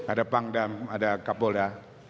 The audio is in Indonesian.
ada pangdam ada kapolda